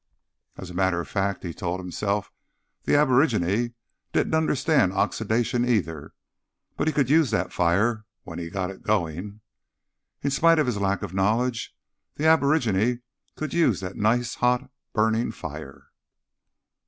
As a matter of fact, he told himself, the aborigine didn't understand oxidation, either. But he could use that fire, when he got it going. In spite of his lack of knowledge, the aborigine could use that nice, hot, burning fire....